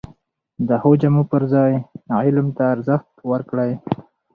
د ښو جامو پر ځای علم ته ارزښت ورکړئ!